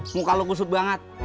muka lo kusut banget